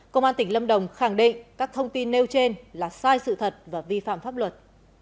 công an tỉnh lâm đồng khẳng định các thông tin nêu trên là sai sự thật và vi phạm pháp luật